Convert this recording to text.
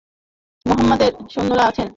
মুহাম্মাদের সৈন্যরা আসছে।